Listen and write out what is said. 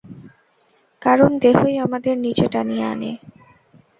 কারণ দেহই আমাদের নীচে টানিয়া আনে।